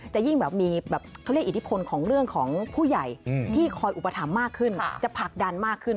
จะยิ่งแบบมีแบบเขาเรียกอิทธิพลของเรื่องของผู้ใหญ่ที่คอยอุปถัมภ์มากขึ้นจะผลักดันมากขึ้น